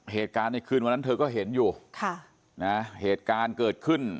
เหตุการณ์ในคืนวันนั้นเธอก็เห็นอยู่ค่ะนะเหตุการณ์เกิดขึ้น